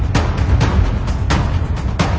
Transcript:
ขอให้หลัก